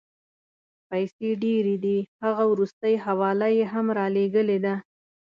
پیسې ډېرې دي، هغه وروستۍ حواله یې هم رالېږلې ده.